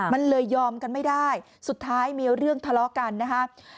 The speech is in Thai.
มันเลยยอมกันไม่ได้สุดท้ายมีเรื่องทะเลาะกันนะครับ